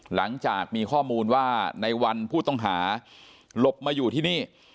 หลังจากมีข้อมูลว่าในวันผู้ต้องหาหลบมาอยู่ที่นี่